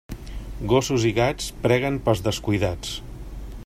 Gossos i gats preguen pels descuidats.